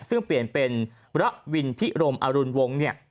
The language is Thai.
ซึ่งเปลี่ยนเป็นพระวินพิรมอรุณวงศ์เนี่ย